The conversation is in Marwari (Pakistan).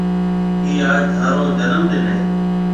ڪِي آج ٿارو جنم ڏن هيَ؟